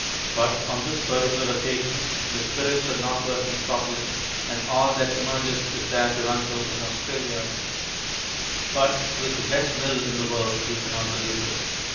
But on this particular occasion the spirits are not working properly, and all that emerges is that your uncle in Australia But with the best will in the world you cannot believe this.